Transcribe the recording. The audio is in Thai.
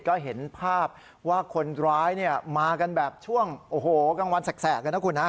ก็เห็นภาพว่าคนร้ายมากันแบบช่วงโอ้โหกลางวันแสกเลยนะคุณนะ